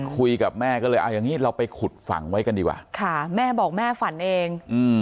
คุยกับแม่ก็เลยเอาอย่างนี้เราไปขุดฝังไว้กันดีกว่าค่ะแม่บอกแม่ฝันเอง